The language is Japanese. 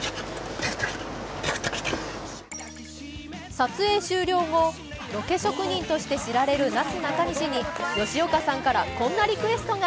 撮影終了後、ロケ職人として知られるなすなかにしに、吉岡さんからこんなリクエストが。